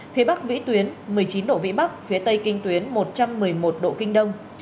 phía bắc vĩ tuyến một mươi chín độ vĩ bắc phía tây kinh tuyến một trăm một mươi một độ kinh đông